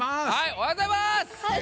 おはようございます。